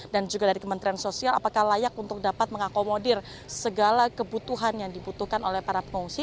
dan juga dari kementerian sosial apakah layak untuk dapat mengakomodir segala kebutuhan yang dibutuhkan oleh para pengungsi